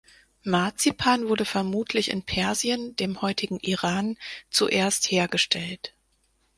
Marzipan wurde vermutlich in Persien, dem heutigen Iran, zuerst hergestellt.